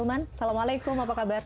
assalamualaikum apa kabar